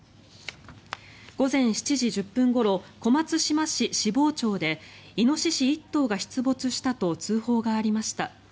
午前７時１０分ごろ小松島市芝生町でイノシシ１頭が出没したと通報がありました。